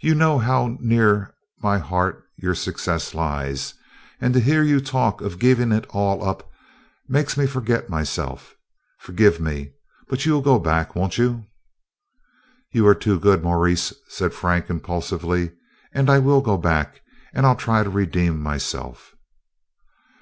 You know how near my heart your success lies, and to hear you talk of giving it all up makes me forget myself. Forgive me, but you 'll go back, won't you?" "You are too good, Maurice," said Frank impulsively, "and I will go back, and I 'll try to redeem myself."